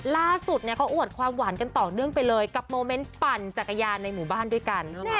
ล่าสุดเขาอวดความหวานกันต่อเนื่องไปเลยกับโมเมนต์ปั่นจักรยานในหมู่บ้านด้วยกัน